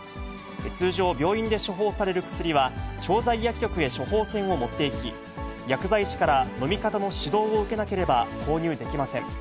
通常、病院で処方される薬は、調剤薬局へ処方箋を持っていき、薬剤師から飲み方の指導を受けなければ、購入できません。